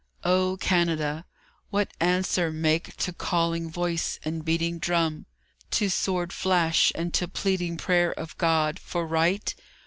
O Canada! What answer make to calling voice and beating drum, To sword flash and to pleading prayer of God For right?